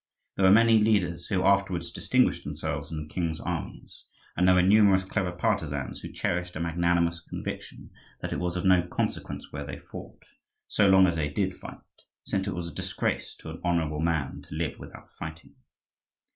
There were many leaders who afterwards distinguished themselves in the king's armies; and there were numerous clever partisans who cherished a magnanimous conviction that it was of no consequence where they fought, so long as they did fight, since it was a disgrace to an honourable man to live without fighting.